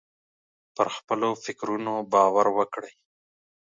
پر خپلو فکرونو باور وکړئ.